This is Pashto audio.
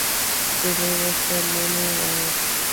ځینې ورته لوني وايي.